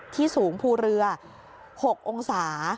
ที่สูงภูเรือ๖องศา